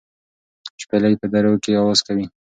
شپېلۍ په درو کې اواز کوي.